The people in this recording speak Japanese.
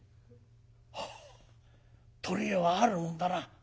ほう取り柄はあるもんだな。